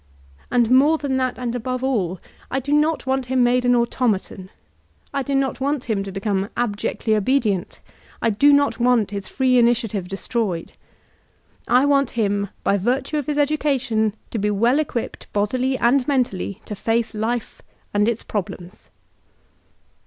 And more than that, and above all, I do not want him made an automaton. I do not want htm to become abjectly obe dient I do not want his free initiative destroyed I want him, by virtue of hb education, to be well equipped bodily and mentally to face life and its problems.